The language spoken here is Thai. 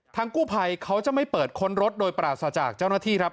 กู้ภัยเขาจะไม่เปิดค้นรถโดยปราศจากเจ้าหน้าที่ครับ